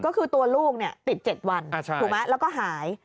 ก็คือตัวลูกติด๗วันถูกไหมแล้วก็หาย